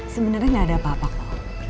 sebenernya gak ada apa apa pa